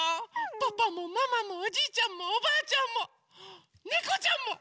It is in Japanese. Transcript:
パパもママもおじいちゃんもおばあちゃんもねこちゃんも！